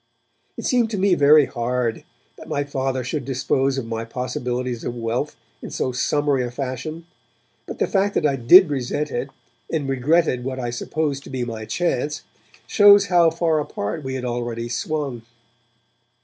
It seemed to me very hard that my Father should dispose of my possibilities of wealth in so summary a fashion, but the fact that I did resent it, and regretted what I supposed to be my 'chance', shows how far apart we had already swung.